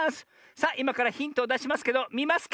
さあいまからヒントをだしますけどみますか？